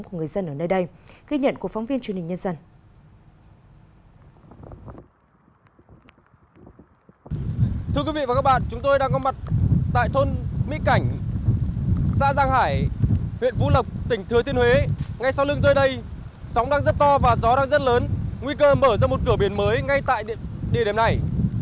nơi đây sóng đang rất to và gió đang rất lớn nguy cơ mở ra một cửa biển mới ngay tại địa điểm này